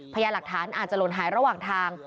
พยายามหลักฐานอาจจะหล่นหายระหว่างทาง